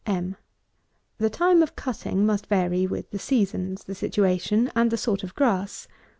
M. The time of cutting must vary with the seasons, the situation, and the sort of grass.